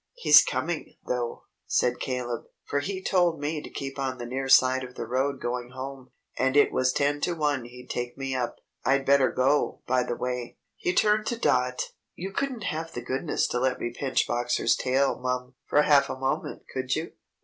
"He's coming, though," said Caleb; "for he told me to keep on the near side of the road going home, and it was ten to one he'd take me up. I'd better go, by the way." He turned to Dot. "You couldn't have the goodness to let me pinch Boxer's tail, mum, for half a moment, could you?"